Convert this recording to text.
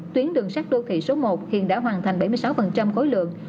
tuyến đường sắt đô thị số một hiện đã hoàn thành bảy mươi sáu khối lượng